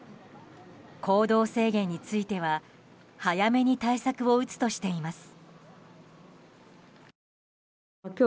行動制限については早めに対策を打つとしています。